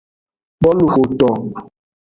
Boluxoto.